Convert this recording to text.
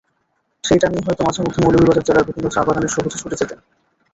সেই টানেই হয়তো মাঝেমধ্যে মৌলভীবাজার জেলার বিভিন্ন চা-বাগানের সবুজে ছুটে যেতেন।